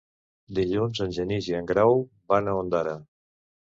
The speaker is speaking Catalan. Dilluns en Genís i en Grau van a Ondara.